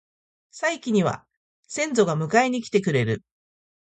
最期には先祖が迎えに来てくれる